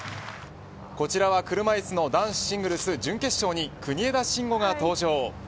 こちらは車いすの男子シングルス準決勝に国枝慎吾が登場。